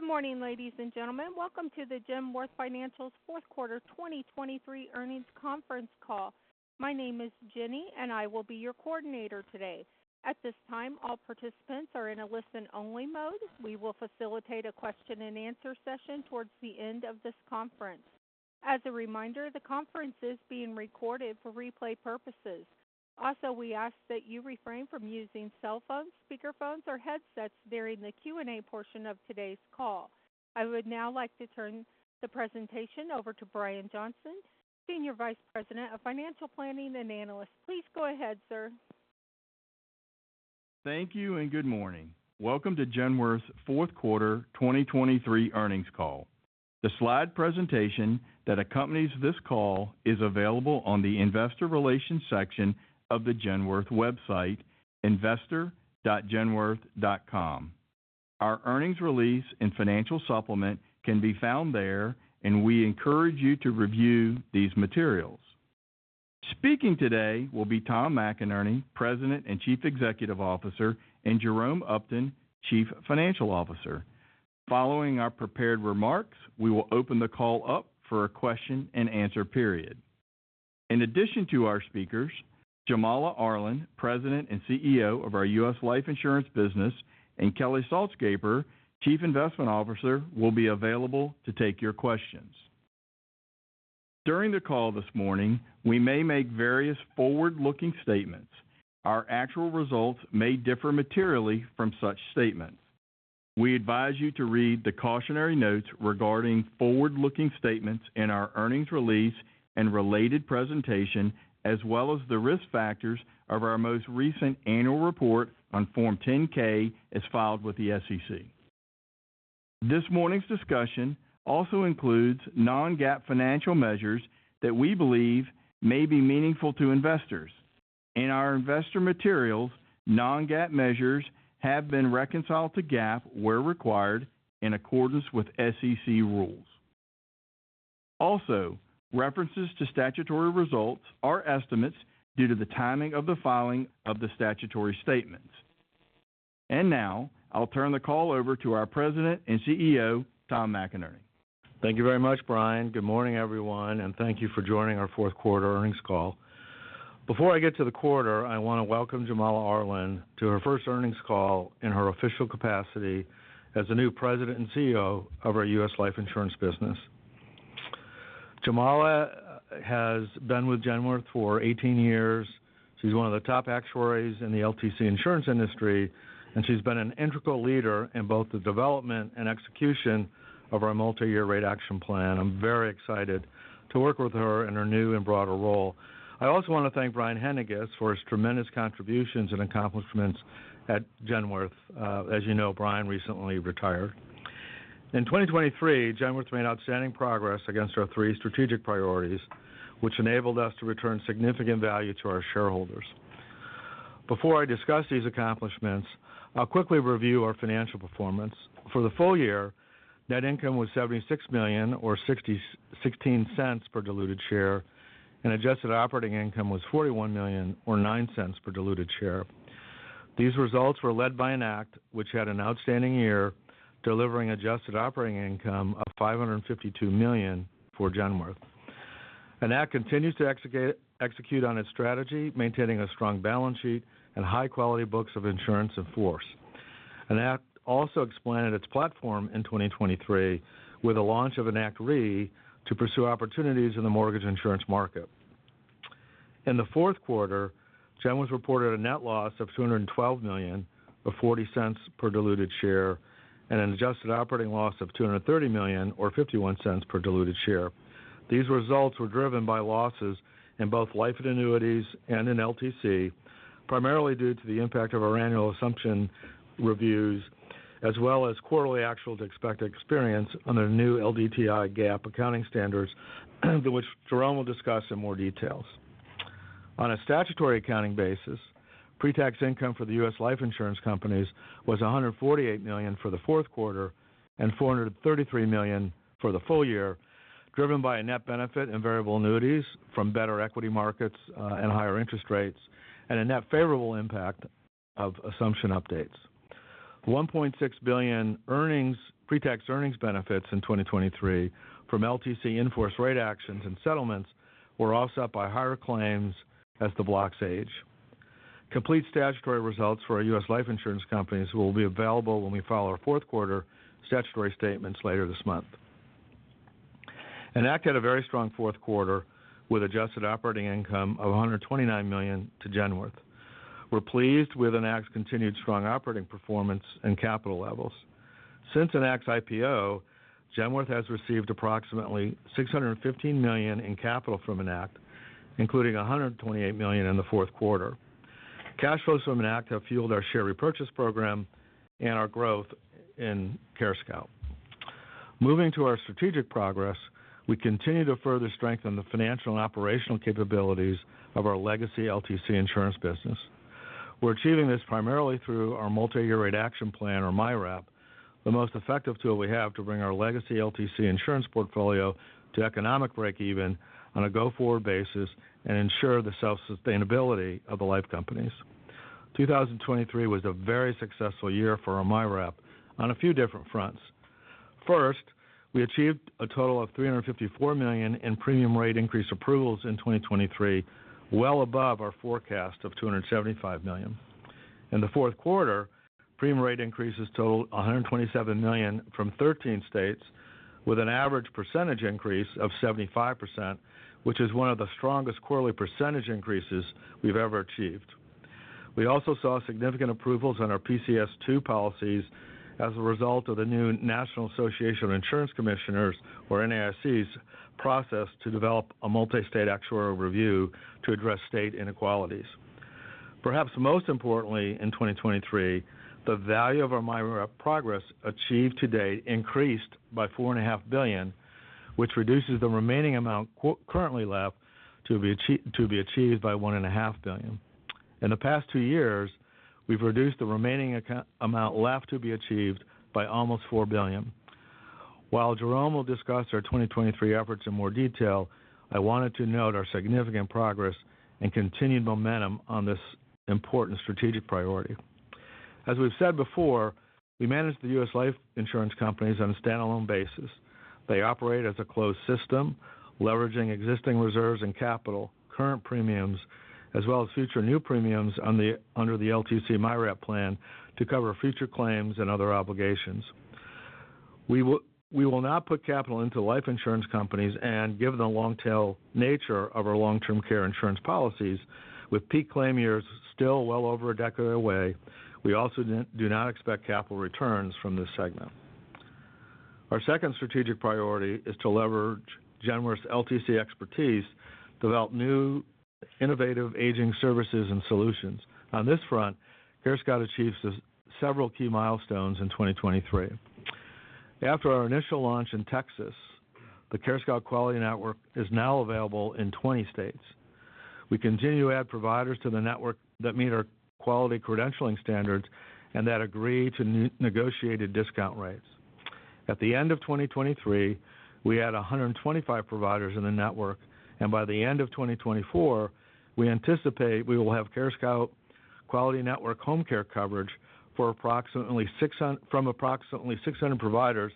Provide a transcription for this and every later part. Good morning, ladies and gentlemen. Welcome to the Genworth Financial's fourth quarter 2023 earnings conference call. My name is Jenny, and I will be your coordinator today. At this time, all participants are in a listen-only mode. We will facilitate a question-and-answer session towards the end of this conference. As a reminder, the conference is being recorded for replay purposes. Also, we ask that you refrain from using cell phones, speakerphones, or headsets during the Q&A portion of today's call. I would now like to turn the presentation over to Brian Johnson, Senior Vice President of Financial Planning and Analysis. Please go ahead, sir. Thank you and good morning. Welcome to Genworth's fourth quarter 2023 earnings call. The slide presentation that accompanies this call is available on the Investor Relations section of the Genworth website, investor.genworth.com. Our earnings release and financial supplement can be found there, and we encourage you to review these materials. Speaking today will be Tom McInerney, President and Chief Executive Officer, and Jerome Upton, Chief Financial Officer. Following our prepared remarks, we will open the call up for a question-and-answer period. In addition to our speakers, Jamala Arland, President and CEO of our U.S. Life Insurance business, and Kelly Saltzgaber, Chief Investment Officer, will be available to take your questions. During the call this morning, we may make various forward-looking statements. Our actual results may differ materially from such statements. We advise you to read the cautionary notes regarding forward-looking statements in our earnings release and related presentation, as well as the risk factors of our most recent annual report on Form 10-K, as filed with the SEC. This morning's discussion also includes non-GAAP financial measures that we believe may be meaningful to investors. In our investor materials, non-GAAP measures have been reconciled to GAAP, where required, in accordance with SEC rules. Also, references to statutory results are estimates due to the timing of the filing of the statutory statements. Now, I'll turn the call over to our President and CEO, Tom McInerney. Thank you very much, Brian. Good morning, everyone, and thank you for joining our fourth quarter earnings call. Before I get to the quarter, I want to welcome Jamala Arland to her first earnings call in her official capacity as the new President and CEO of our US Life Insurance business. Jamala has been with Genworth for 18 years. She's one of the top actuaries in the LTC insurance industry, and she's been an integral leader in both the development and execution of our multi-year rate action plan. I'm very excited to work with her in her new and broader role. I also want to thank Brian Haendiges for his tremendous contributions and accomplishments at Genworth. As you know, Brian recently retired. In 2023, Genworth made outstanding progress against our three strategic priorities, which enabled us to return significant value to our shareholders. Before I discuss these accomplishments, I'll quickly review our financial performance. For the full year, net income was $76 million, or $0.16 per diluted share, and adjusted operating income was $41 million, or $0.09 per diluted share. These results were led by Enact, which had an outstanding year, delivering adjusted operating income of $552 million for Genworth. Enact continues to execute on its strategy, maintaining a strong balance sheet and high-quality books of insurance in force. Enact also expanded its platform in 2023 with the launch of Enact Re to pursue opportunities in the mortgage insurance market. In the fourth quarter, Genworth reported a net loss of $212 million, or $0.40 per diluted share, and an adjusted operating loss of $230 million, or $0.51 per diluted share. These results were driven by losses in both life and annuities and in LTC, primarily due to the impact of our annual assumption reviews, as well as quarterly actual to expect experience under the new LDTI GAAP accounting standards, which Jerome will discuss in more details. On a statutory accounting basis, pretax income for the U.S. life insurance companies was $148 million for the fourth quarter and $433 million for the full year, driven by a net benefit in variable annuities from better equity markets, and higher interest rates, and a net favorable impact of assumption updates. $1.6 billion pretax earnings benefits in 2023 from LTC in-force rate actions and settlements were offset by higher claims as the blocks age. Complete statutory results for our U.S. life insurance companies will be available when we file our fourth quarter statutory statements later this month. Enact had a very strong fourth quarter, with adjusted operating income of $129 million to Genworth. We're pleased with Enact's continued strong operating performance and capital levels. Since Enact's IPO, Genworth has received approximately $615 million in capital from Enact, including $128 million in the fourth quarter. Cash flows from Enact have fueled our share repurchase program and our growth in CareScout. Moving to our strategic progress, we continue to further strengthen the financial and operational capabilities of our legacy LTC insurance business. We're achieving this primarily through our multi-year rate action plan, or MYRAP, the most effective tool we have to bring our legacy LTC insurance portfolio to economic breakeven on a go-forward basis and ensure the self-sustainability of the life companies. 2023 was a very successful year for MYRAP on a few different fronts. First, we achieved a total of $354 million in premium rate increase approvals in 2023, well above our forecast of $275 million. In the fourth quarter, premium rate increases totaled $127 million from 13 states, with an average percentage increase of 75%, which is one of the strongest quarterly percentage increases we've ever achieved. We also saw significant approvals on our PCS II policies as a result of the new National Association of Insurance Commissioners, or NAIC's, process to develop a multi-state actuarial review to address state inequalities. Perhaps most importantly, in 2023, the value of our MYRAP progress achieved to date increased by $4.5 billion, which reduces the remaining amount currently left to be achieved by $1.5 billion. In the past two years, we've reduced the remaining amount left to be achieved by almost $4 billion. While Jerome will discuss our 2023 efforts in more detail, I wanted to note our significant progress and continued momentum on this important strategic priority. As we've said before, we manage the U.S. life insurance companies on a standalone basis. They operate as a closed system, leveraging existing reserves and capital, current premiums, as well as future new premiums under the LTC MYRAP plan to cover future claims and other obligations. We will not put capital into life insurance companies, and given the long-tail nature of our long-term care insurance policies, with peak claim years still well over a decade away, we also do not expect capital returns from this segment. Our second strategic priority is to leverage Genworth's LTC expertise to develop new, innovative aging services and solutions. On this front, CareScout achieves several key milestones in 2023. After our initial launch in Texas, the CareScout Quality Network is now available in 20 states. We continue to add providers to the network that meet our quality credentialing standards and that agree to negotiated discount rates. At the end of 2023, we had 125 providers in the network, and by the end of 2024, we anticipate we will have CareScout Quality Network home care coverage from approximately 600 providers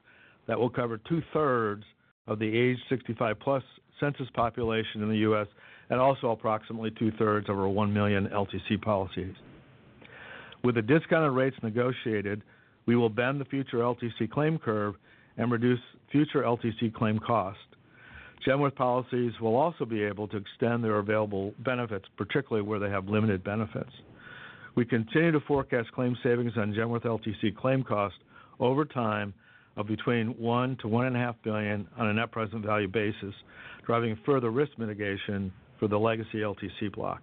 that will cover two-thirds of the age 65+ census population in the U.S., and also approximately two-thirds of our 1 million LTC policies. With the discounted rates negotiated, we will bend the future LTC claim curve and reduce future LTC claim costs. Genworth policies will also be able to extend their available benefits, particularly where they have limited benefits. We continue to forecast claims savings on Genworth LTC claim costs over time of between $1 billion and $1.5 billion on a net present value basis, driving further risk mitigation for the legacy LTC block.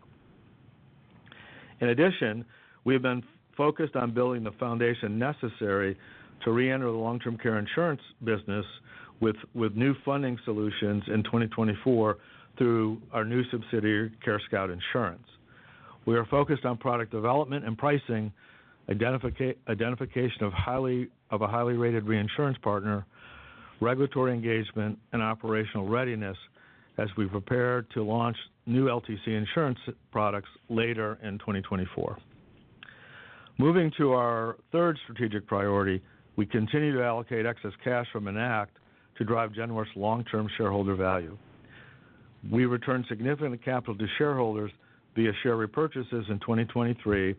In addition, we have been focused on building the foundation necessary to reenter the long-term care insurance business with new funding solutions in 2024 through our new subsidiary, CareScout Insurance. We are focused on product development and pricing, identification of a highly rated reinsurance partner, regulatory engagement, and operational readiness as we prepare to launch new LTC insurance products later in 2024. Moving to our third strategic priority, we continue to allocate excess cash from Enact to drive Genworth's long-term shareholder value. We returned significant capital to shareholders via share repurchases in 2023,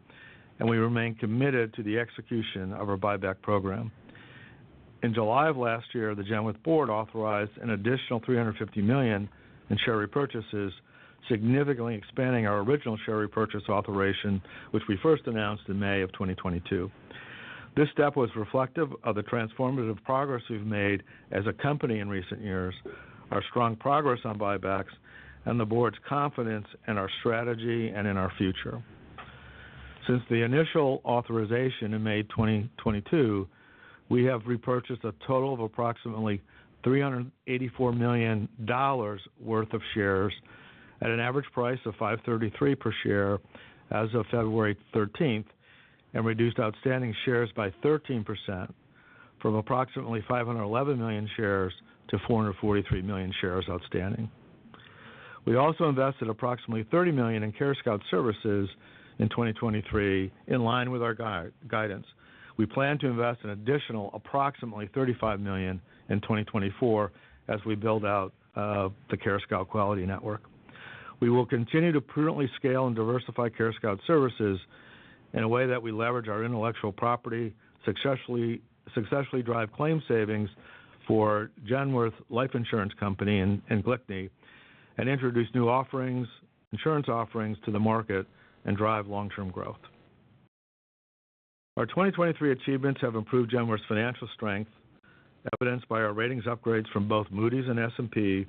and we remain committed to the execution of our buyback program. In July of last year, the Genworth board authorized an additional $350 million in share repurchases, significantly expanding our original share repurchase authorization, which we first announced in May of 2022. This step was reflective of the transformative progress we've made as a company in recent years, our strong progress on buybacks, and the board's confidence in our strategy and in our future. Since the initial authorization in May 2022, we have repurchased a total of approximately $384 million worth of shares at an average price of $5.33 per share as of February 13, and reduced outstanding shares by 13%, from approximately 511 million shares to 443 million shares outstanding. We also invested approximately $30 million in CareScout Services in 2023, in line with our guidance. We plan to invest an additional approximately $35 million in 2024 as we build out, the CareScout Quality Network. We will continue to prudently scale and diversify CareScout services in a way that we leverage our intellectual property, successfully drive claim savings for Genworth Life Insurance Company and GLIAC, and introduce new offerings, insurance offerings to the market and drive long-term growth. Our 2023 achievements have improved Genworth's financial strength, evidenced by our ratings upgrades from both Moody's and S&P,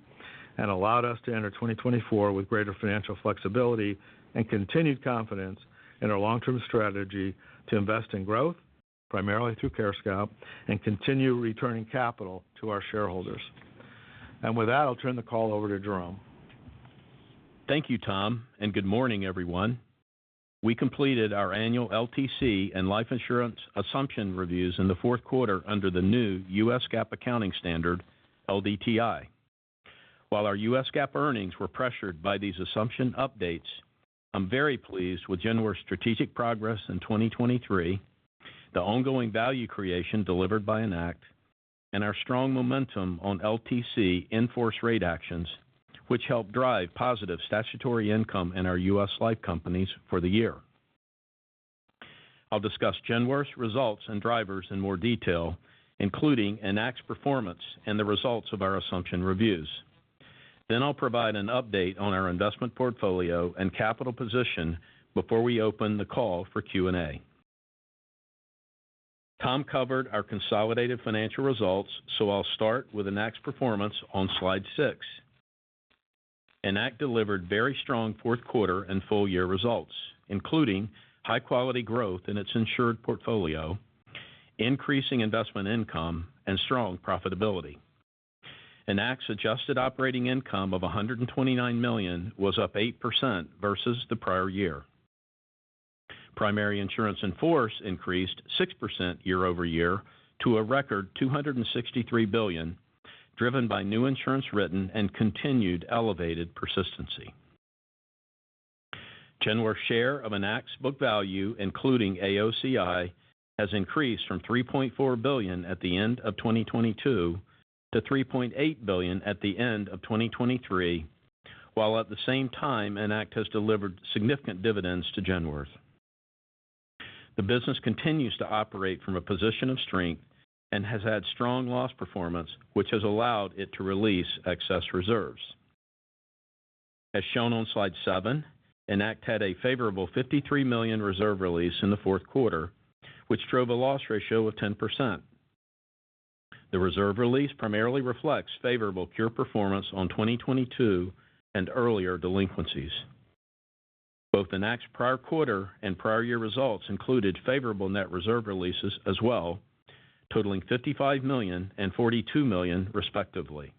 and allowed us to enter 2024 with greater financial flexibility and continued confidence in our long-term strategy to invest in growth, primarily through CareScout, and continue returning capital to our shareholders. With that, I'll turn the call over to Jerome. Thank you, Tom, and good morning, everyone. We completed our annual LTC and life insurance assumption reviews in the fourth quarter under the new U.S. GAAP accounting standard, LDTI.... While our U.S. GAAP earnings were pressured by these assumption updates, I'm very pleased with Genworth's strategic progress in 2023, the ongoing value creation delivered by Enact, and our strong momentum on LTC in-force rate actions, which helped drive positive statutory income in our U.S. Life companies for the year. I'll discuss Genworth's results and drivers in more detail, including Enact's performance and the results of our assumption reviews. Then I'll provide an update on our investment portfolio and capital position before we open the call for Q&A. Tom covered our consolidated financial results, so I'll start with Enact's performance on slide six. Enact delivered very strong fourth quarter and full year results, including high-quality growth in its insured portfolio, increasing investment income, and strong profitability. Enact's adjusted operating income of $129 million was up 8% versus the prior year. Primary insurance in force increased 6% year-over-year to a record $263 billion, driven by new insurance written and continued elevated persistency. Genworth's share of Enact's book value, including AOCI, has increased from $3.4 billion at the end of 2022, to $3.8 billion at the end of 2023, while at the same time, Enact has delivered significant dividends to Genworth. The business continues to operate from a position of strength and has had strong loss performance, which has allowed it to release excess reserves. As shown on slide 7, Enact had a favorable $53 million reserve release in the fourth quarter, which drove a loss ratio of 10%. The reserve release primarily reflects favorable cure performance on 2022 and earlier delinquencies. Both Enact's prior quarter and prior year results included favorable net reserve releases as well, totaling $55 million and $42 million, respectively.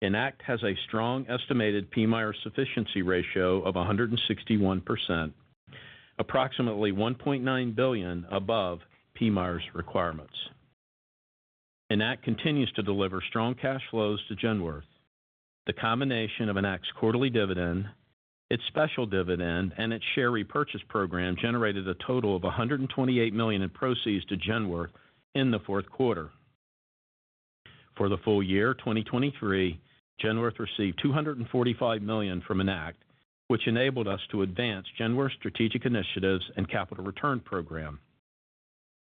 Enact has a strong estimated PMIER sufficiency ratio of 161%, approximately $1.9 billion above PMIER's requirements. Enact continues to deliver strong cash flows to Genworth. The combination of Enact's quarterly dividend, its special dividend, and its share repurchase program generated a total of $128 million in proceeds to Genworth in the fourth quarter. For the full year 2023, Genworth received $245 million from Enact, which enabled us to advance Genworth's strategic initiatives and capital return program.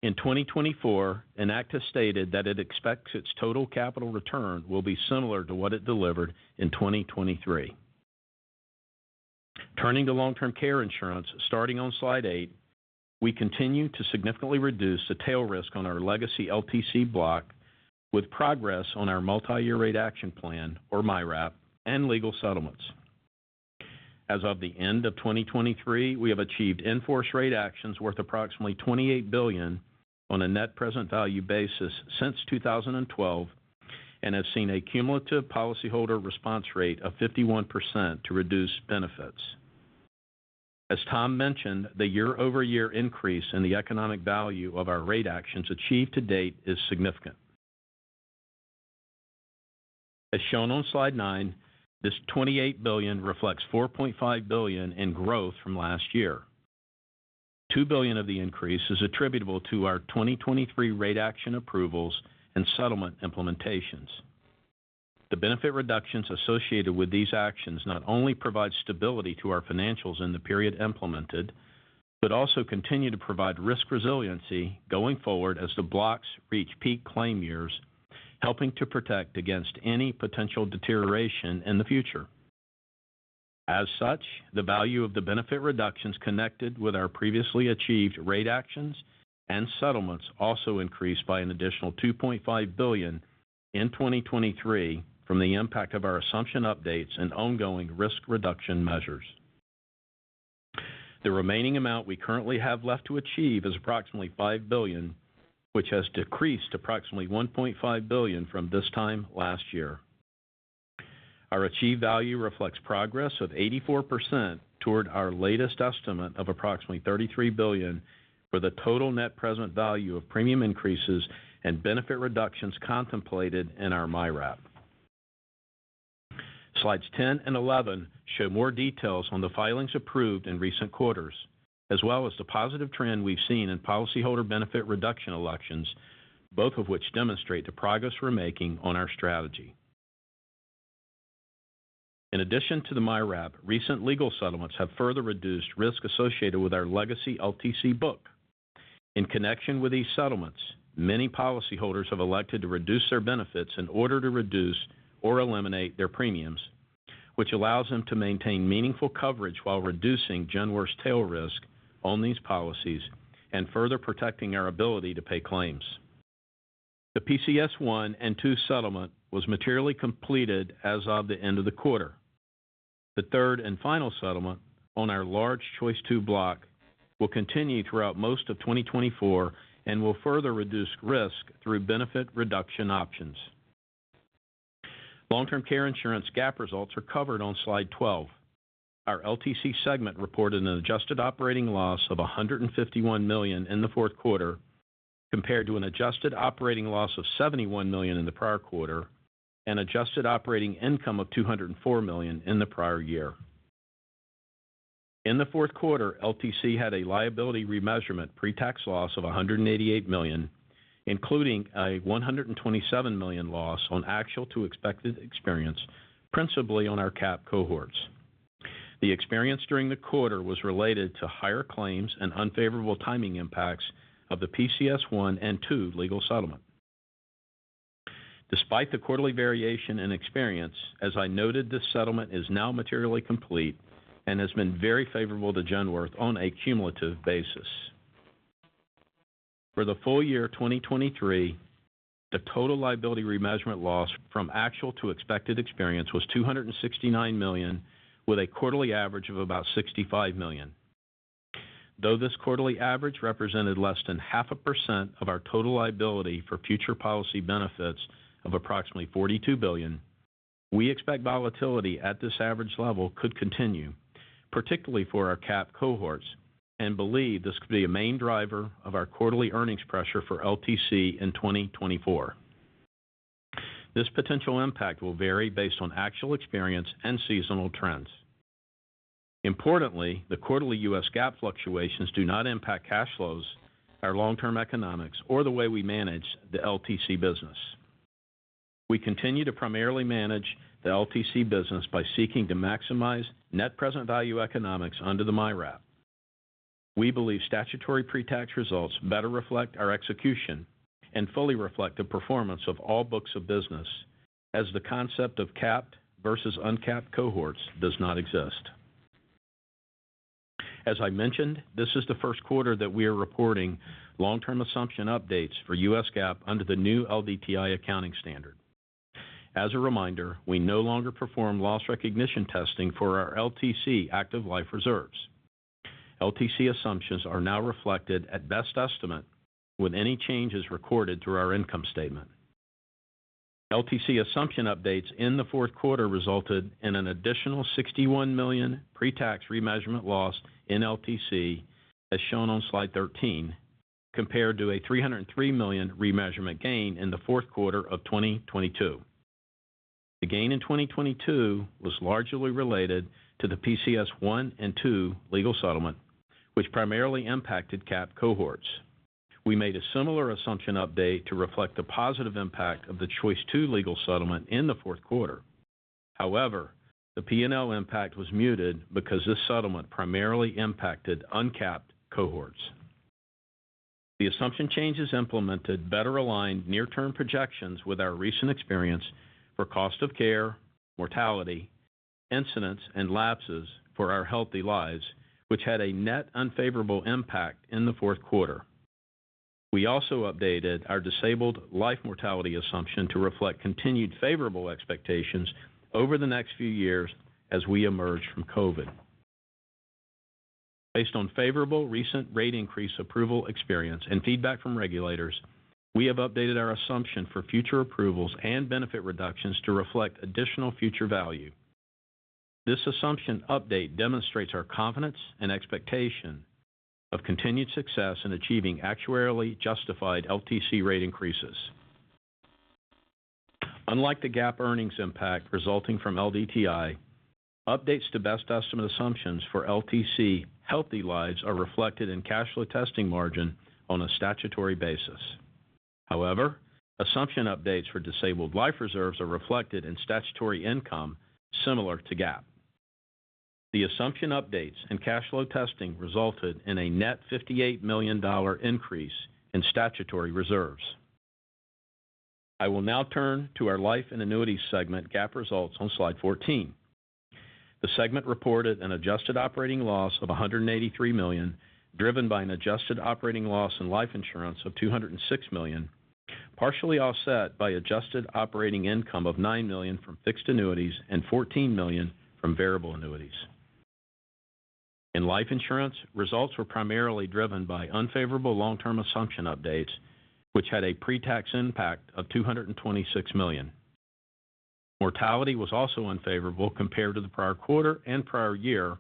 In 2024, Enact has stated that it expects its total capital return will be similar to what it delivered in 2023. Turning to long-term care insurance, starting on slide 8, we continue to significantly reduce the tail risk on our legacy LTC block with progress on our Multi-Year Rate Action Plan, or MYRAP, and legal settlements. As of the end of 2023, we have achieved in-force rate actions worth approximately $28 billion on a net present value basis since 2012, and have seen a cumulative policyholder response rate of 51% to reduce benefits. As Tom mentioned, the year-over-year increase in the economic value of our rate actions achieved to date is significant. As shown on slide 9, this $28 billion reflects $4.5 billion in growth from last year. $2 billion of the increase is attributable to our 2023 rate action approvals and settlement implementations. The benefit reductions associated with these actions not only provide stability to our financials in the period implemented, but also continue to provide risk resiliency going forward as the blocks reach peak claim years, helping to protect against any potential deterioration in the future. As such, the value of the benefit reductions connected with our previously achieved rate actions and settlements also increased by an additional $2.5 billion in 2023 from the impact of our assumption updates and ongoing risk reduction measures. The remaining amount we currently have left to achieve is approximately $5 billion, which has decreased approximately $1.5 billion from this time last year. Our achieved value reflects progress of 84% toward our latest estimate of approximately $33 billion for the total net present value of premium increases and benefit reductions contemplated in our MYRAP. Slides 10 and 11 show more details on the filings approved in recent quarters, as well as the positive trend we've seen in policyholder benefit reduction elections, both of which demonstrate the progress we're making on our strategy. In addition to the MYRAP, recent legal settlements have further reduced risk associated with our legacy LTC book. In connection with these settlements, many policyholders have elected to reduce their benefits in order to reduce or eliminate their premiums, which allows them to maintain meaningful coverage while reducing Genworth's tail risk on these policies and further protecting our ability to pay claims. The PCS I and II settlement was materially completed as of the end of the quarter. The third and final settlement on our large Choice 2 block will continue throughout most of 2024 and will further reduce risk through benefit reduction options. Long-term care insurance GAAP results are covered on slide 12. Our LTC segment reported an adjusted operating loss of $151 million in the fourth quarter, compared to an adjusted operating loss of $71 million in the prior quarter, and adjusted operating income of $204 million in the prior year. In the fourth quarter, LTC had a liability remeasurement pretax loss of $188 million, including a $127 million loss on actual to expected experience, principally on our cap cohorts. The experience during the quarter was related to higher claims and unfavorable timing impacts of the PCS I and II legal settlement. Despite the quarterly variation and experience, as I noted, this settlement is now materially complete and has been very favorable to Genworth on a cumulative basis. For the full year, 2023, the total liability remeasurement loss from actual to expected experience was $269 million, with a quarterly average of about $65 million. Though this quarterly average represented less than 0.5% of our total liability for future policy benefits of approximately $42 billion, we expect volatility at this average level could continue, particularly for our cap cohorts, and believe this could be a main driver of our quarterly earnings pressure for LTC in 2024. This potential impact will vary based on actual experience and seasonal trends. Importantly, the quarterly U.S. GAAP fluctuations do not impact cash flows, our long-term economics, or the way we manage the LTC business. We continue to primarily manage the LTC business by seeking to maximize net present value economics under the MYRAP. We believe statutory pretax results better reflect our execution and fully reflect the performance of all books of business, as the concept of capped versus uncapped cohorts does not exist. As I mentioned, this is the first quarter that we are reporting long-term assumption updates for U.S. GAAP under the new LDTI accounting standard. As a reminder, we no longer perform loss recognition testing for our LTC active life reserves. LTC assumptions are now reflected at best estimate, with any changes recorded through our income statement. LTC assumption updates in the fourth quarter resulted in an additional $61 million pretax remeasurement loss in LTC, as shown on slide 13, compared to a $303 million remeasurement gain in the fourth quarter of 2022. The gain in 2022 was largely related to the PCS1 and PCS2 legal settlement, which primarily impacted capped cohorts. We made a similar assumption update to reflect the positive impact of the Choice 2 legal settlement in the fourth quarter. However, the P&L impact was muted because this settlement primarily impacted uncapped cohorts. The assumption changes implemented better aligned near-term projections with our recent experience for cost of care, mortality, incidents, and lapses for our healthy lives, which had a net unfavorable impact in the fourth quarter. We also updated our disabled life mortality assumption to reflect continued favorable expectations over the next few years as we emerge from COVID. Based on favorable recent rate increase approval experience and feedback from regulators, we have updated our assumption for future approvals and benefit reductions to reflect additional future value. This assumption update demonstrates our confidence and expectation of continued success in achieving actuarially justified LTC rate increases. Unlike the GAAP earnings impact resulting from LDTI, updates to best estimate assumptions for LTC healthy lives are reflected in cash flow testing margin on a statutory basis. However, assumption updates for disabled life reserves are reflected in statutory income similar to GAAP. The assumption updates and cash flow testing resulted in a net $58 million increase in statutory reserves. I will now turn to our life and annuities segment GAAP results on slide 14. The segment reported an adjusted operating loss of $183 million, driven by an adjusted operating loss in life insurance of $206 million, partially offset by adjusted operating income of $9 million from fixed annuities and $14 million from variable annuities. In life insurance, results were primarily driven by unfavorable long-term assumption updates, which had a pretax impact of $226 million. Mortality was also unfavorable compared to the prior quarter and prior year,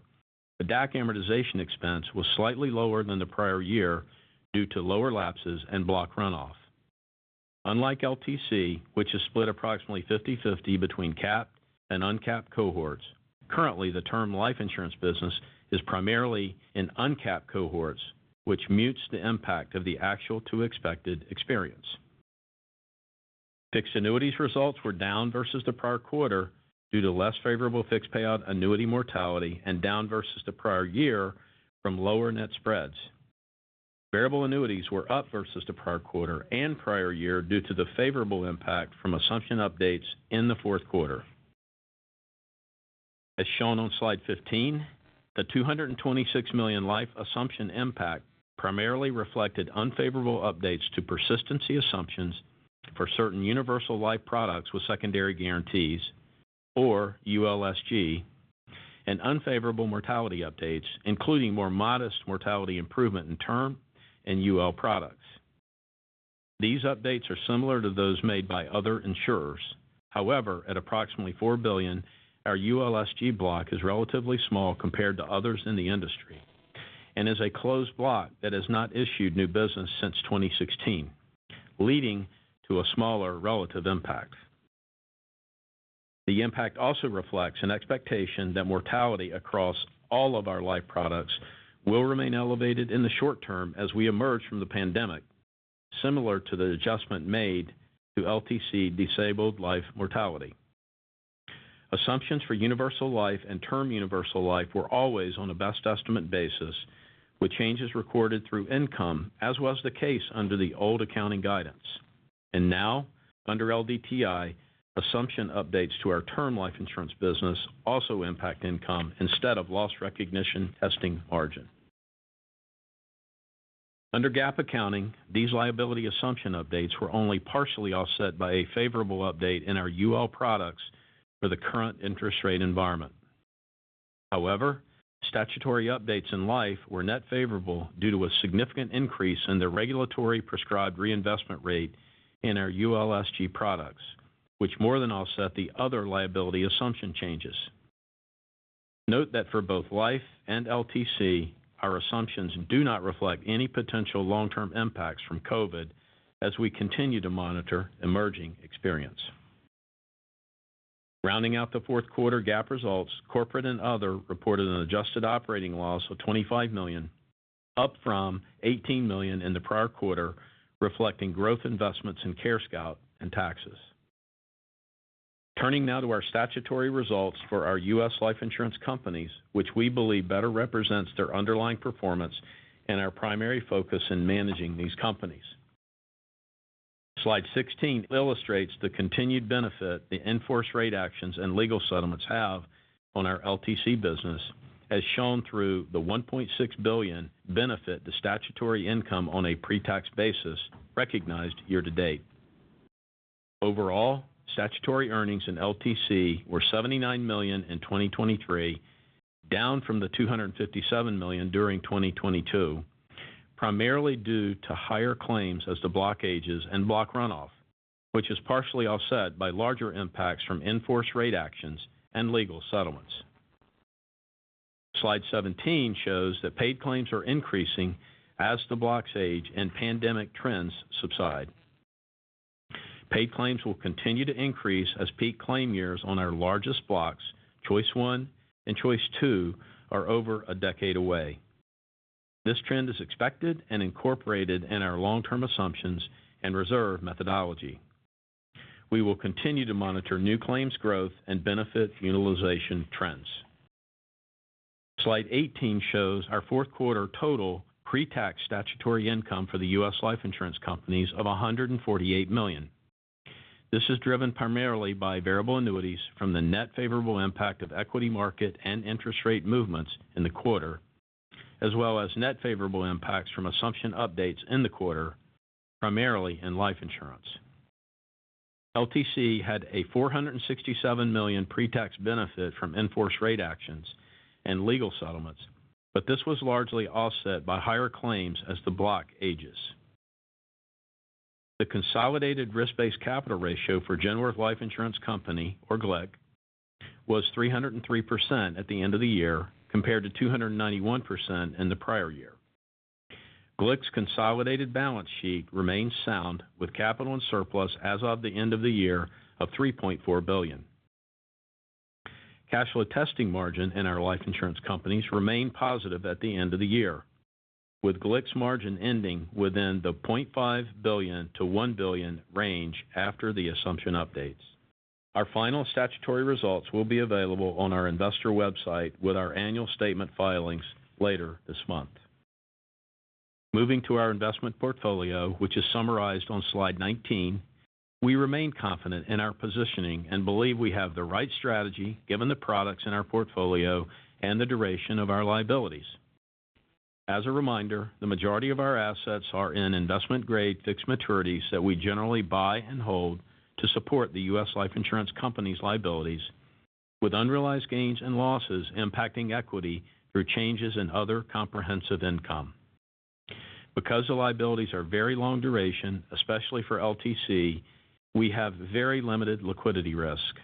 but DAC amortization expense was slightly lower than the prior year due to lower lapses and block runoff. Unlike LTC, which is split approximately 50/50 between capped and uncapped cohorts, currently, the term life insurance business is primarily in uncapped cohorts, which mutes the impact of the actual to expected experience. Fixed annuities results were down versus the prior quarter due to less favorable fixed payout annuity mortality, and down versus the prior year from lower net spreads. Variable annuities were up versus the prior quarter and prior year due to the favorable impact from assumption updates in the fourth quarter. As shown on slide 15, the $226 million life assumption impact primarily reflected unfavorable updates to persistency assumptions for certain universal life products with secondary guarantees, or ULSG, and unfavorable mortality updates, including more modest mortality improvement in term and UL products. These updates are similar to those made by other insurers. However, at approximately $4 billion, our ULSG block is relatively small compared to others in the industry and is a closed block that has not issued new business since 2016, leading to a smaller relative impact. The impact also reflects an expectation that mortality across all of our life products will remain elevated in the short term as we emerge from the pandemic, similar to the adjustment made to LTC disabled life mortality. Assumptions for universal life and term universal life were always on a best estimate basis, with changes recorded through income, as was the case under the old accounting guidance. Now, under LDTI, assumption updates to our term life insurance business also impact income instead of loss recognition testing margin. Under GAAP accounting, these liability assumption updates were only partially offset by a favorable update in our UL products for the current interest rate environment. However, statutory updates in Life were net favorable due to a significant increase in the regulatory prescribed reinvestment rate in our ULSG products, which more than offset the other liability assumption changes. Note that for both Life and LTC, our assumptions do not reflect any potential long-term impacts from COVID as we continue to monitor emerging experience. Rounding out the fourth quarter GAAP results, corporate and other reported an adjusted operating loss of $25 million, up from $18 million in the prior quarter, reflecting growth investments in CareScout and taxes. Turning now to our statutory results for our U.S. life insurance companies, which we believe better represents their underlying performance and our primary focus in managing these companies. Slide 16 illustrates the continued benefit the in-force rate actions and legal settlements have on our LTC business, as shown through the $1.6 billion benefit to statutory income on a pretax basis recognized year to date. Overall, statutory earnings in LTC were $79 million in 2023, down from the $257 million during 2022, primarily due to higher claims as the block ages and block runoff, which is partially offset by larger impacts from in-force rate actions and legal settlements. Slide 17 shows that paid claims are increasing as the blocks age and pandemic trends subside. Paid claims will continue to increase as peak claim years on our largest blocks, Choice I and Choice 2, are over a decade away. This trend is expected and incorporated in our long-term assumptions and reserve methodology. We will continue to monitor new claims growth and benefit utilization trends. Slide 18 shows our fourth quarter total pretax statutory income for the U.S. life insurance companies of $148 million. This is driven primarily by variable annuities from the net favorable impact of equity market and interest rate movements in the quarter, as well as net favorable impacts from assumption updates in the quarter, primarily in life insurance. LTC had a $467 million pretax benefit from in-force rate actions and legal settlements, but this was largely offset by higher claims as the block ages. The consolidated risk-based capital ratio for Genworth Life Insurance Company, or GLIC, was 303% at the end of the year, compared to 291% in the prior year. GLIC's consolidated balance sheet remains sound, with capital and surplus as of the end of the year of $3.4 billion. Cash flow testing margin in our life insurance companies remained positive at the end of the year, with GLIC's margin ending within the $0.5 billion-$1 billion range after the assumption updates. Our final statutory results will be available on our investor website with our annual statement filings later this month. Moving to our investment portfolio, which is summarized on slide 19, we remain confident in our positioning and believe we have the right strategy, given the products in our portfolio and the duration of our liabilities. As a reminder, the majority of our assets are in investment-grade fixed maturities that we generally buy and hold to support the U.S. Life Insurance Company's liabilities, with unrealized gains and losses impacting equity through changes in other comprehensive income. Because the liabilities are very long duration, especially for LTC, we have very limited liquidity risk.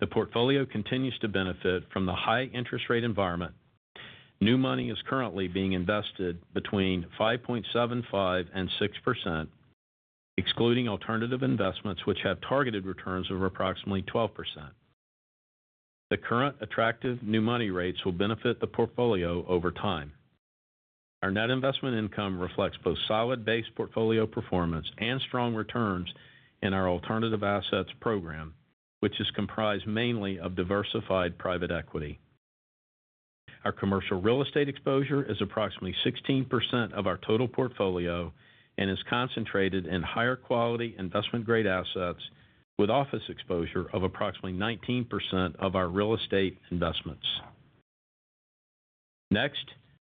The portfolio continues to benefit from the high interest rate environment. New money is currently being invested between 5.75% and 6%, excluding alternative investments, which have targeted returns of approximately 12%. The current attractive new money rates will benefit the portfolio over time. Our net investment income reflects both solid base portfolio performance and strong returns in our alternative assets program, which is comprised mainly of diversified private equity. Our commercial real estate exposure is approximately 16% of our total portfolio and is concentrated in higher quality investment-grade assets with office exposure of approximately 19% of our real estate investments. Next,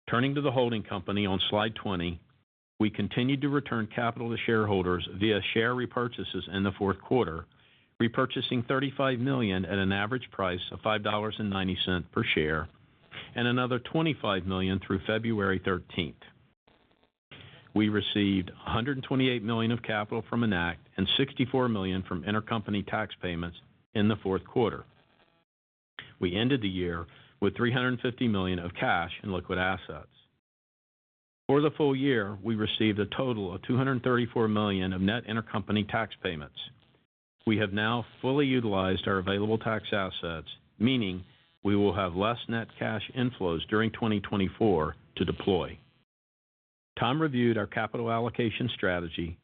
turning to the holding company on slide 20, we continued to return capital to shareholders via share repurchases in the fourth quarter, repurchasing $35 million at an average price of $5.90 per share, and another $25 million through February 13. We received $128 million of capital from Enact and $64 million from intercompany tax payments in the fourth quarter. We ended the year with $350 million of cash and liquid assets. For the full year, we received a total of $234 million of net intercompany tax payments. We have now fully utilized our available tax assets, meaning we will have less net cash inflows during 2024 to deploy. Tom reviewed our capital allocation strategy,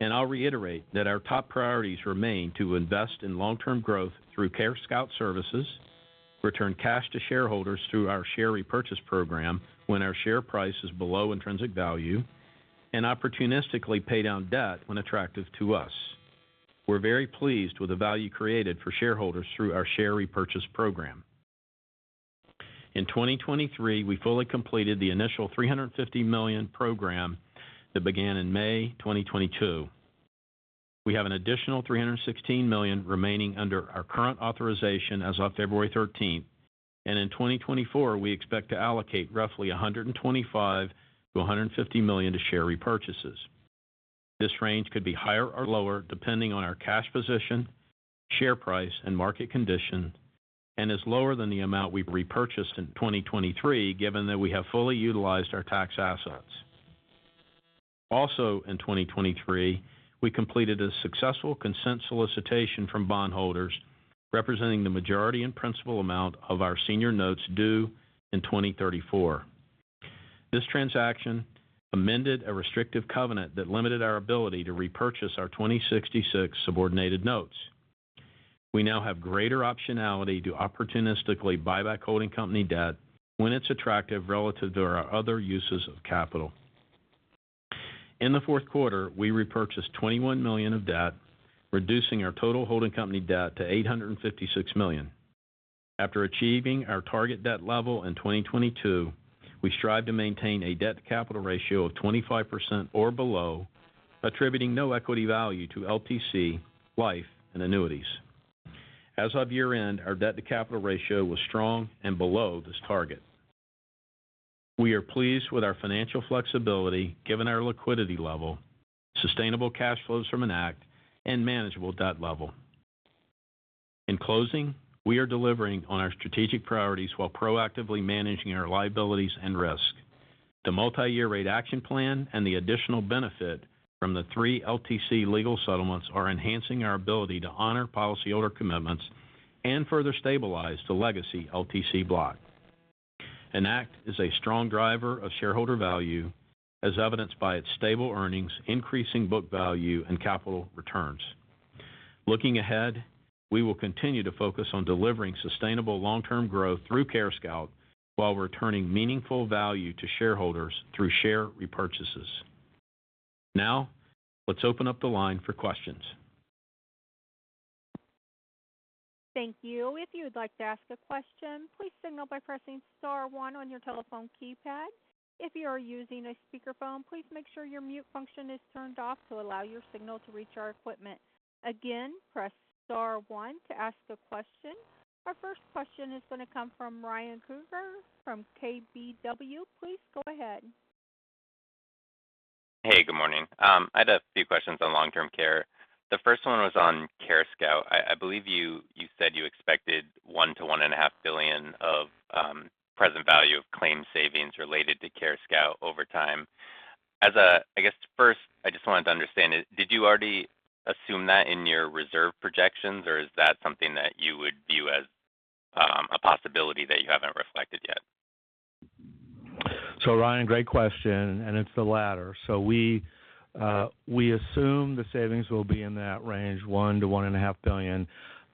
and I'll reiterate that our top priorities remain to invest in long-term growth through CareScout Services, return cash to shareholders through our share repurchase program when our share price is below intrinsic value, and opportunistically pay down debt when attractive to us. We're very pleased with the value created for shareholders through our share repurchase program. In 2023, we fully completed the initial $350 million program that began in May 2022. We have an additional $316 million remaining under our current authorization as of February 13, and in 2024, we expect to allocate roughly $125 million-$150 million to share repurchases. This range could be higher or lower, depending on our cash position, share price, and market condition, and is lower than the amount we repurchased in 2023, given that we have fully utilized our tax assets. Also, in 2023, we completed a successful consent solicitation from bondholders, representing the majority and principal amount of our senior notes due in 2034. This transaction amended a restrictive covenant that limited our ability to repurchase our 2066 subordinated notes. We now have greater optionality to opportunistically buy back holding company debt when it's attractive relative to our other uses of capital. In the fourth quarter, we repurchased $21 million of debt, reducing our total holding company debt to $856 million. After achieving our target debt level in 2022, we strive to maintain a debt to capital ratio of 25% or below, attributing no equity value to LTC, Life and Annuities. As of year-end, our debt to capital ratio was strong and below this target. We are pleased with our financial flexibility given our liquidity level, sustainable cash flows from Enact, and manageable debt level. In closing, we are delivering on our strategic priorities while proactively managing our liabilities and risk. The multiyear rate action plan and the additional benefit from the three LTC legal settlements are enhancing our ability to honor policyholder commitments and further stabilize the legacy LTC block. Enact is a strong driver of shareholder value, as evidenced by its stable earnings, increasing book value, and capital returns. Looking ahead, we will continue to focus on delivering sustainable long-term growth through CareScout, while returning meaningful value to shareholders through share repurchases. Now, let's open up the line for questions. Thank you. If you would like to ask a question, please signal by pressing star one on your telephone keypad. If you are using a speakerphone, please make sure your mute function is turned off to allow your signal to reach our equipment. Again, press star one to ask a question. Our first question is going to come from Ryan Krueger from KBW. Please go ahead. Hey, good morning. I had a few questions on long-term care. The first one was on CareScout. I believe you said you expected $1 billion-$1.5 billion of present value of claim savings related to CareScout over time. I guess, first, I just wanted to understand, did you already assume that in your reserve projections, or is that something that you would view as a possibility that you haven't reflected yet? So Ryan, great question, and it's the latter. So we assume the savings will be in that range, $1 billion-$1.5 billion,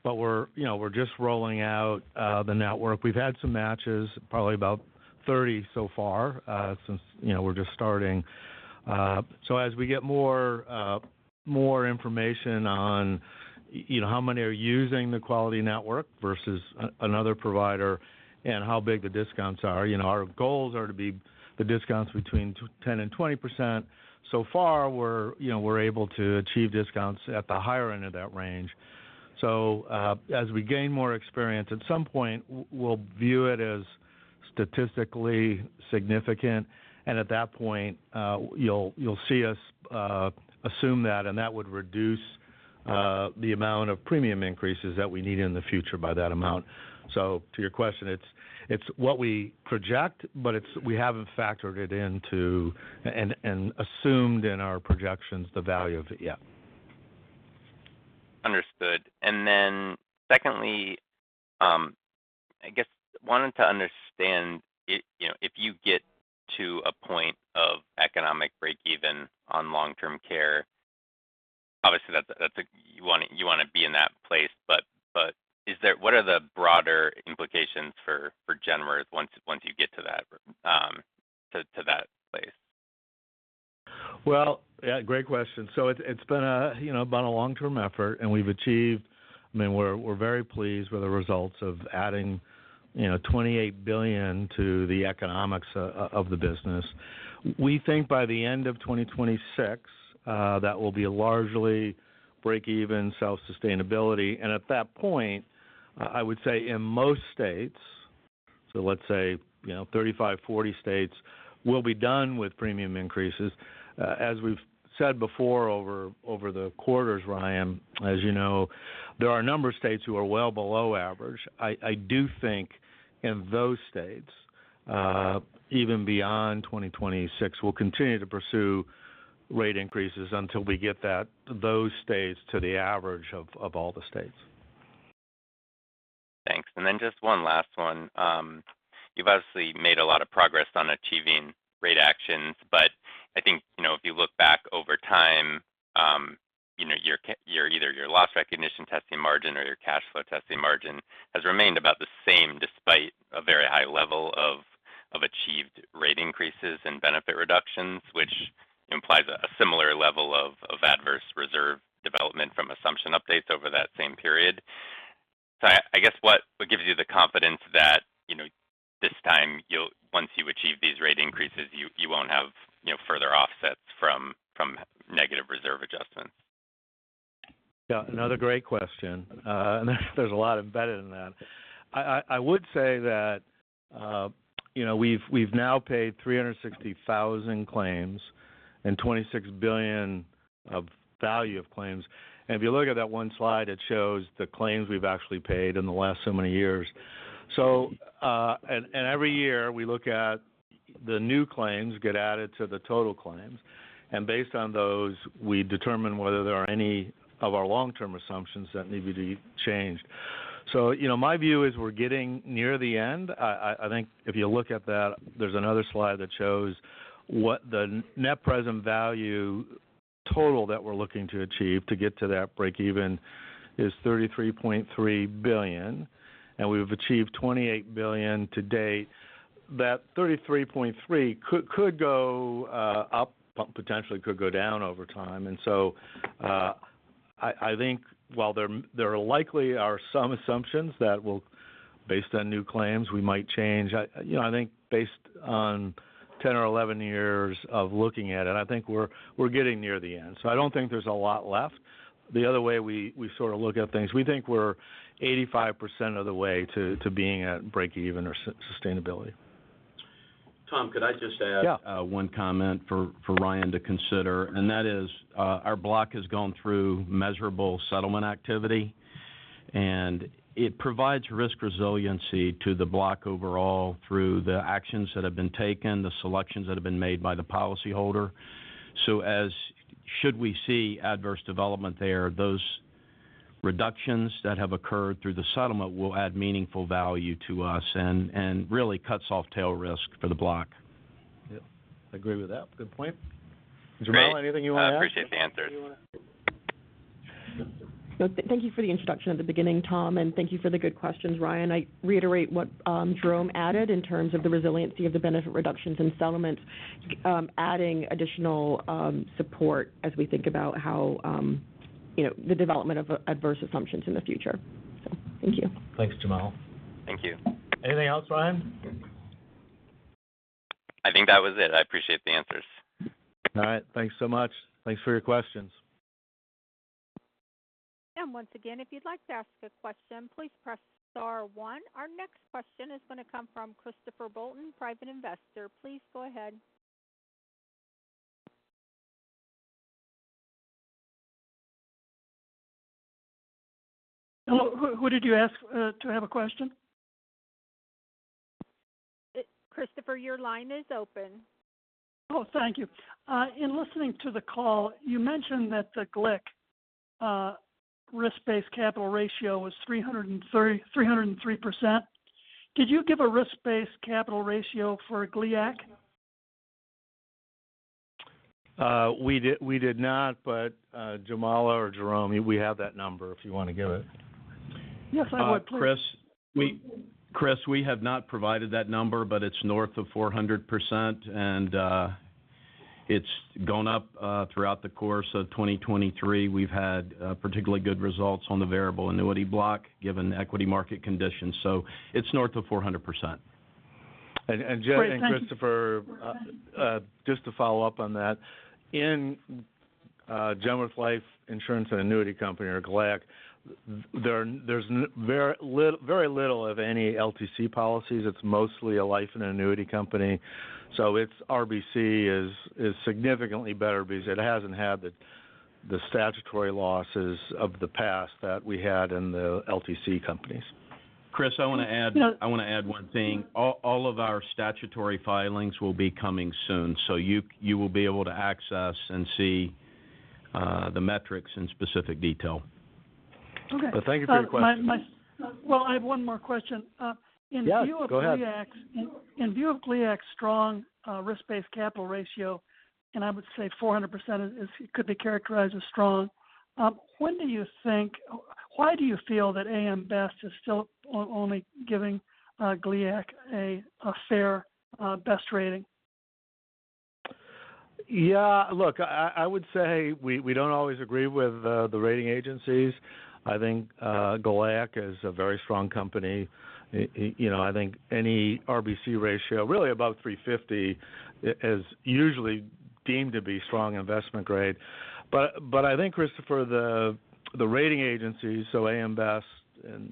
but we're, you know, we're just rolling out the network. We've had some matches, probably about 30 so far, since, you know, we're just starting. So as we get more information on, you know, how many are using the Quality Network versus another provider and how big the discounts are, you know, our goals are to be the discounts between 10%-20%. So far, we're, you know, we're able to achieve discounts at the higher end of that range. So, as we gain more experience, at some point, we'll view it as statistically significant, and at that point, you'll see us assume that, and that would reduce the amount of premium increases that we need in the future by that amount. So to your question, it's, it's what we project, but it's, we haven't factored it into and assumed in our projections the value of it yet. Understood. Then secondly, I guess I wanted to understand, you know, if you get to a point of economic break-even on long-term care, obviously, you wanna be in that place, but what are the broader implications for Genworth once you get to that place? Well, yeah, great question. So it's been a you know long-term effort, and we've achieved... I mean, we're very pleased with the results of adding you know $28 billion to the economics of the business. We think by the end of 2026 that will be a largely break-even self-sustainability, and at that point, I would say in most states. So let's say you know 35, 40 states will be done with premium increases. As we've said before, over the quarters, Ryan, as you know, there are a number of states who are well below average. I do think in those states even beyond 2026 we'll continue to pursue rate increases until we get those states to the average of all the states. Thanks. Just one last one. You've obviously made a lot of progress on achieving rate actions, but I think, you know, if you look back over time, you know, your loss recognition testing margin or your cash flow testing margin has remained about the same, despite a very high level of achieved rate increases and benefit reductions, which implies a similar level of adverse reserve development from assumption updates over that same period. I guess, what gives you the confidence that, you know, this time you'll once you achieve these rate increases, you won't have, you know, further offsets from negative reserve adjustments? Yeah, another great question. And there's a lot embedded in that. I would say that, you know, we've now paid 360,000 claims and $26 billion of value of claims. And if you look at that one slide, it shows the claims we've actually paid in the last so many years. So, every year, we look at the new claims, get added to the total claims, and based on those, we determine whether there are any of our long-term assumptions that need to be changed. So, you know, my view is we're getting near the end. I think if you look at that, there's another slide that shows what the net present value total that we're looking to achieve to get to that break even is $33.3 billion, and we've achieved $28 billion to date. That $33.3 billion could, could go up, potentially could go down over time. And so, I think while there are likely some assumptions that will, based on new claims, we might change. You know, I think based on 10 or 11 years of looking at it, I think we're getting near the end, so I don't think there's a lot left. The other way we sort of look at things, we think we're 85% of the way to being at break even or sustainability. Tom, could I just add- Yeah. One comment for Ryan to consider, and that is, our block has gone through measurable settlement activity, and it provides risk resiliency to the block overall through the actions that have been taken, the selections that have been made by the policyholder. So as should we see adverse development there, those reductions that have occurred through the settlement will add meaningful value to us and really cuts off tail risk for the block. Yeah, I agree with that. Good point. Great. Jamala, anything you want to add? I appreciate the answers. No, thank you for the introduction at the beginning, Tom, and thank you for the good questions, Ryan. I reiterate what Jerome added in terms of the resiliency of the benefit reductions in settlement, adding additional support as we think about how, you know, the development of adverse assumptions in the future. So thank you. Thanks, Jamal. Thank you. Anything else, Ryan? I think that was it. I appreciate the answers. All right. Thanks so much. Thanks for your questions. Once again, if you'd like to ask a question, please press star one. Our next question is going to come from Christopher Bolton, private investor. Please go ahead. Hello, who, who did you ask to have a question? Christopher, your line is open. Oh, thank you. In listening to the call, you mentioned that the GLIC risk-based capital ratio was 330, 303%. Did you give a risk-based capital ratio for GLIAC? We did not, but Jamala or Jerome, we have that number, if you want to give it. Yes, I would, please. Chris, we have not provided that number, but it's north of 400%, and it's gone up throughout the course of 2023. We've had particularly good results on the variable annuity block, given equity market conditions, so it's north of 400%. Christopher, just to follow up on that, in Genworth Life Insurance and Annuity Company, or GLIAC, there's very little of any LTC policies. It's mostly a life and annuity company, so its RBC is significantly better because it hasn't had the statutory losses of the past that we had in the LTC companies. Chris, I want to add- Yeah. I want to add one thing. All of our statutory filings will be coming soon, so you will be able to access and see the metrics in specific detail. Okay. Thank you for your question. My, my... Well, I have one more question. In view of- Yeah, go ahead. In view of GLIAC's strong risk-based capital ratio, and I would say 400% is, could be characterized as strong. When do you think or why do you feel that A.M. Best is still only giving GLIAC a fair Best rating? Yeah, look, I would say we don't always agree with the rating agencies. I think GLIAC is a very strong company. You know, I think any RBC ratio really above 350 is usually deemed to be strong investment grade. But I think, Christopher, the rating agencies, so A.M. Best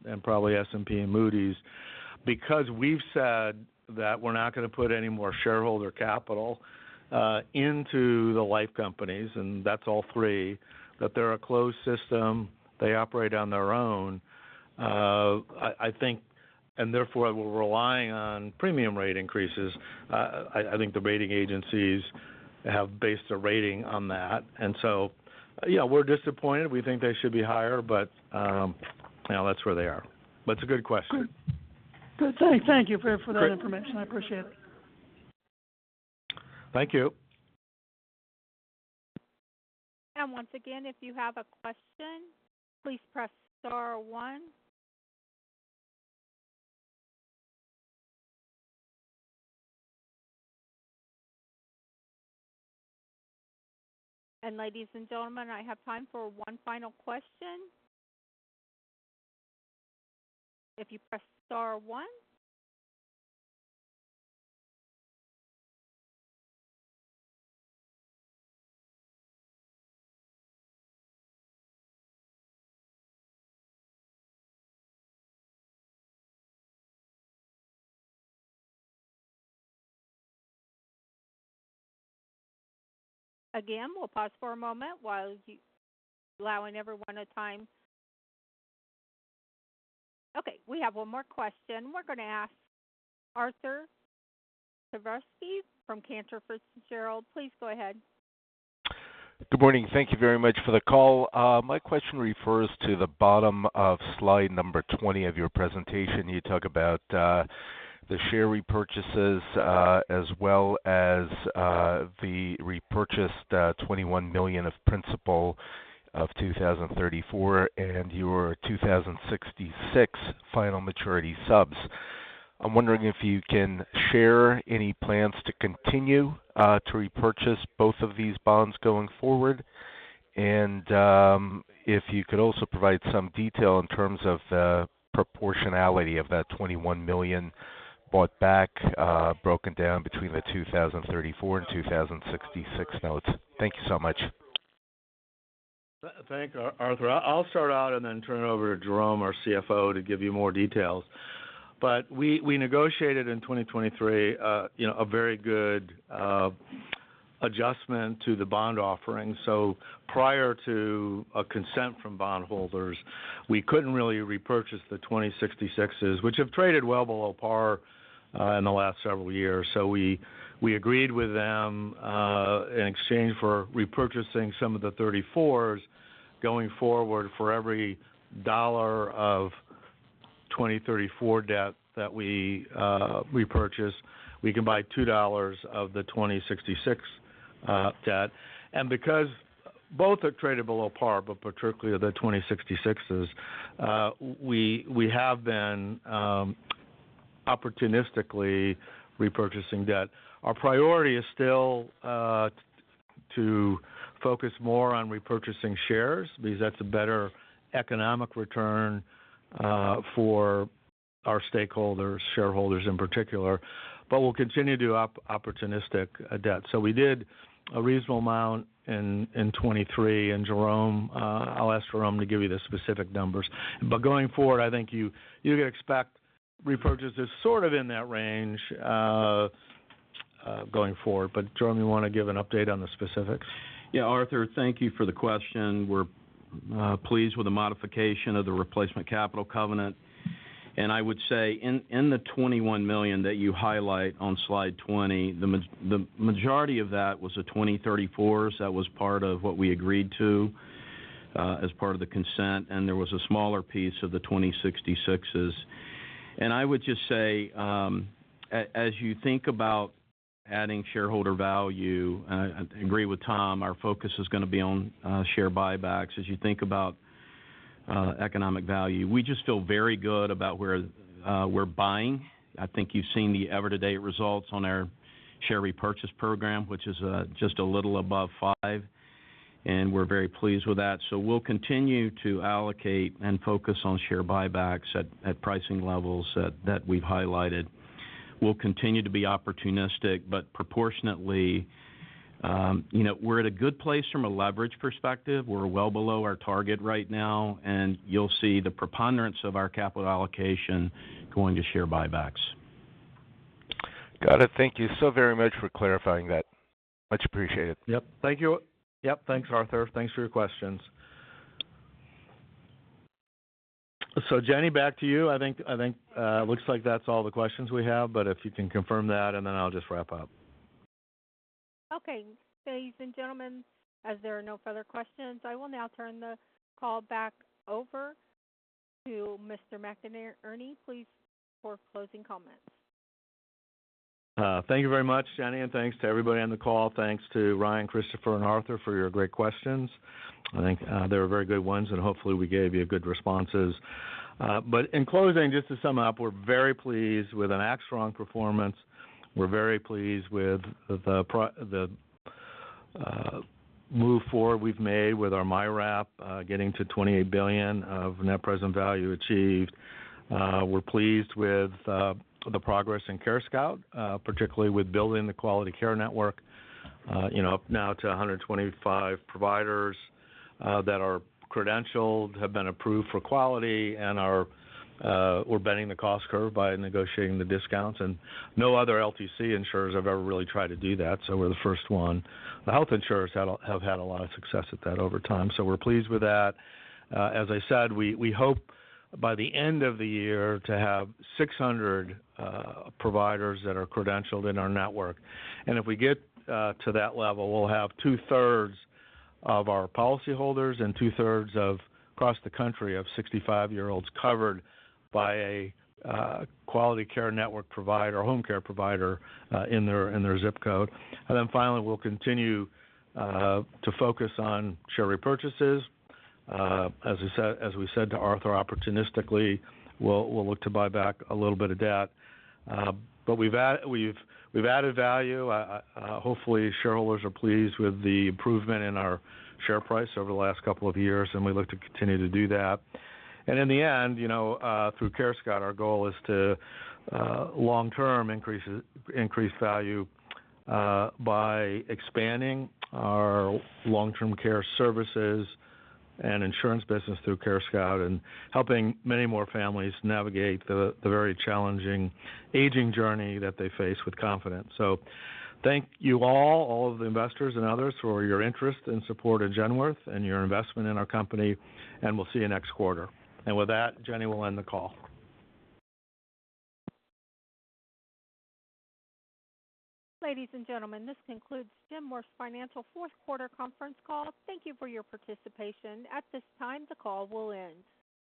and probably S&P and Moody's, because we've said that we're not going to put any more shareholder capital into the life companies, and that's all three, that they're a closed system, they operate on their own. I think and therefore, we're relying on premium rate increases. I think the rating agencies have based their rating on that. And so, yeah, we're disappointed. We think they should be higher, but you know, that's where they are. But it's a good question. Good. Thank you for that information. I appreciate it. Thank you. Once again, if you have a question, please press star one. Ladies and gentlemen, I have time for one final question. If you press star one. Again, we'll pause for a moment while you allowing everyone a time. Okay, we have one more question. We're going to ask Arthur Tavreski from Cantor Fitzgerald. Please go ahead. Good morning. Thank you very much for the call. My question refers to the bottom of slide number 20 of your presentation. You talk about the share repurchases as well as the repurchased $21 million of principal of 2034, and your 2066 final maturity subs. I'm wondering if you can share any plans to continue to repurchase both of these bonds going forward? And if you could also provide some detail in terms of the proportionality of that $21 million bought back broken down between the 2034 and 2066 notes. Thank you so much. Thank you, Arthur. I'll start out and then turn it over to Jerome, our CFO, to give you more details. But we negotiated in 2023, you know, a very good adjustment to the bond offering. So prior to a consent from bondholders, we couldn't really repurchase the 2066s, which have traded well below par in the last several years. So we agreed with them in exchange for repurchasing some of the 2034s going forward, for every $1 of 2034 debt that we repurchase, we can buy $2 of the 2066 debt. And because both are traded below par, but particularly the 2066s, we have been opportunistically repurchasing debt. Our priority is still to focus more on repurchasing shares because that's a better economic return for our stakeholders, shareholders in particular. But we'll continue to do opportunistic debt. So we did a reasonable amount in 2023, and Jerome, I'll ask Jerome to give you the specific numbers. But going forward, I think you can expect repurchases sort of in that range going forward. But Jerome, you want to give an update on the specifics? Yeah, Arthur, thank you for the question. We're pleased with the modification of the replacement capital covenant. And I would say in the $21 million that you highlight on slide 20, the majority of that was the 2034s. That was part of what we agreed to as part of the consent, and there was a smaller piece of the 2066s. And I would just say, as you think about adding shareholder value, I agree with Tom, our focus is going to be on share buybacks. As you think about economic value, we just feel very good about where we're buying. I think you've seen the year-to-date results on our share repurchase program, which is just a little above five, and we're very pleased with that. So we'll continue to allocate and focus on share buybacks at pricing levels that we've highlighted. We'll continue to be opportunistic, but proportionately, you know, we're at a good place from a leverage perspective. We're well below our target right now, and you'll see the preponderance of our capital allocation going to share buybacks. Got it. Thank you so very much for clarifying that. Much appreciated. Yep. Thank you. Yep. Thanks, Arthur. Thanks for your questions. So Jenny, back to you. I think looks like that's all the questions we have, but if you can confirm that, and then I'll just wrap up. Okay, ladies and gentlemen, as there are no further questions, I will now turn the call back over to Mr. McInerney, please, for closing comments. Thank you very much, Jenny, and thanks to everybody on the call. Thanks to Ryan, Christopher, and Arthur for your great questions. I think, they were very good ones, and hopefully, we gave you good responses. But in closing, just to sum up, we're very pleased with an Enact's performance. We're very pleased with the move forward we've made with our MYRAP, getting to $28 billion of net present value achieved. We're pleased with the progress in CareScout, particularly with building the quality care network, you know, up now to 125 providers, that are credentialed, have been approved for quality, and are, we're bending the cost curve by negotiating the discounts, and no other LTC insurers have ever really tried to do that, so we're the first one. The health insurers have had a lot of success at that over time, so we're pleased with that. As I said, we hope by the end of the year to have 600 providers that are credentialed in our network. And if we get to that level, we'll have two-thirds of our policyholders and two-thirds of across the country of 65-year-olds covered by a quality care network provider or home care provider in their ZIP code. And then finally, we'll continue to focus on share repurchases. As we said to Arthur, opportunistically, we'll look to buy back a little bit of debt. But we've added value. Hopefully, shareholders are pleased with the improvement in our share price over the last couple of years, and we look to continue to do that. And in the end, you know, through CareScout, our goal is to long term increase, increase value by expanding our long-term care services and insurance business through CareScout, and helping many more families navigate the very challenging aging journey that they face with confidence. So thank you all, all of the investors and others, for your interest and support of Genworth and your investment in our company, and we'll see you next quarter. And with that, Jenny will end the call. Ladies and gentlemen, this concludes Genworth Financial's fourth quarter conference call. Thank you for your participation. At this time, the call will end.